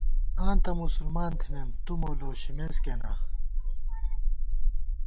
آں تہ مسلمان تھنَئیم تُو مو لوشِمېس کېنا